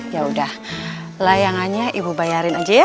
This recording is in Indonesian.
yaudah layangannya ibu bayarin aja ya